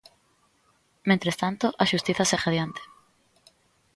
Mentres tanto, a xustiza segue adiante.